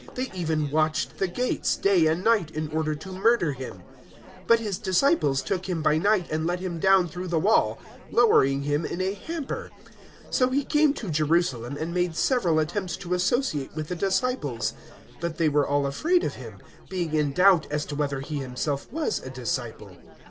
They even watched the gates, day and night, in order to murder him; 009:025 but his disciples took him by night and let him down through the wall, lowering him in a hamper. 009:026 So he came to Jerusalem and made several attempts to associate with the disciples, but they were all afraid of him, being in doubt as to whether he himself was a disciple.